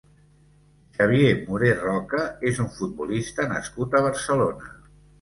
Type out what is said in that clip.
Xavier Moré Roca és un futbolista nascut a Barcelona.